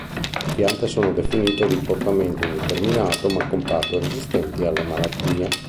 Le piante sono definite di portamento indeterminato ma compatto e resistenti alle malattie.